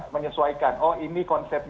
menyesuaikan oh ini konsepnya